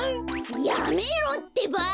やめろってば！